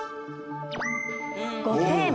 ５点。